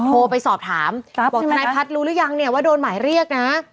โทรไปสอบถามบอกทนายพัฒน์รู้หรือยังเนี่ยว่าโดนหมายเรียกนะ